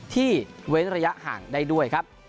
เว้นระยะห่างได้ด้วยครับ